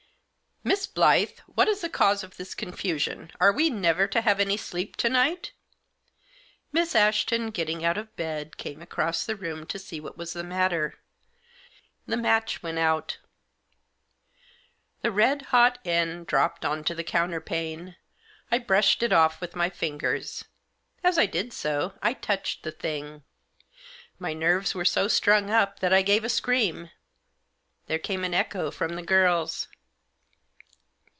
" Miss Blyth, what is the cause of this confusion ? Are we never to have any sleep to night ?" Miss Ashton, getting out of bed, came across the room to see what was the matter. The match went out. The red hot end dropped on to the counterpane. I brushed it off with my fingers. As I did so I touched the thing. My nerves were so strung up that I gave a scream. There came an echo from the girls.